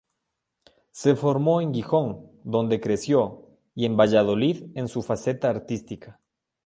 Se formó en Gijón, donde creció, y en Valladolid en su faceta artística.